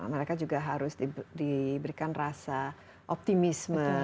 mereka juga harus diberikan rasa optimisme